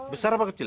besar apa kecil